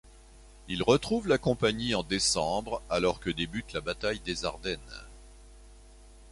Il retrouve la compagnie en décembre alors que débute la bataille des Ardennes.